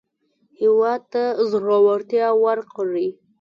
هېواد ته زړورتیا ورکړئ